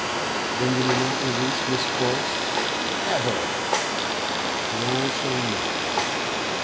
"Then you will not release Miss Forrest?" "Never!" "Then I shall make you."